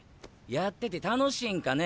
やってて楽しいんかね？